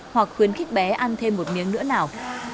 hoặc khuyến khích bé ăn thêm một miếng nữa nào